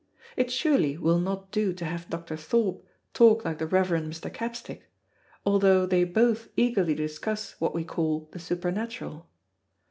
It surely will not do to have Dr. Thorpe talk like the Reverend Mr. Capstick, although they both eagerly discuss what we call the supernatural.